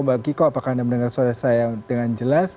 mbak kiko apakah anda mendengar suara saya dengan jelas